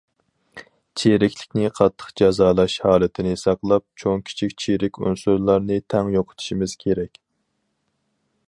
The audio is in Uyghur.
چىرىكلىكنى قاتتىق جازالاش ھالىتىنى ساقلاپ، چوڭ- كىچىك چىرىك ئۇنسۇرلارنى تەڭ يوقىتىشىمىز كېرەك.